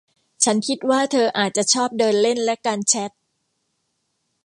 ฉันคิดว่าเธออาจจะชอบเดินเล่นและการแชท